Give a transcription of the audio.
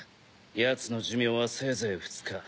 ヤツの寿命はせいぜい２日。